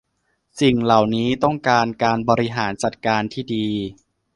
สิ่งเหล่านี้ต้องการการบริหารจัดการที่ดี